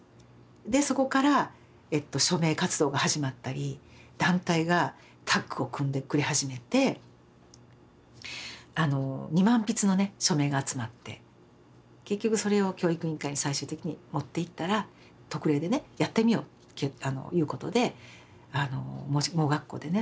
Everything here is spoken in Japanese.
でそこから署名活動が始まったり団体がタッグを組んでくれ始めてあの２万筆のね署名が集まって結局それを教育委員会に最終的に持っていったら特例でねやってみようということで盲学校でね